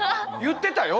言ってたよ